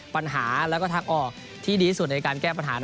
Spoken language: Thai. ปัญหาและทักออกเวลาที่ดีในการแก้ปัญหานั้น